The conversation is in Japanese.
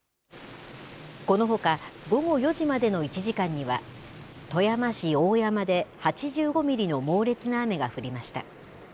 このほか、午後４時までの１時間には、富山市大山で８５ミリの猛烈な雨が降りました。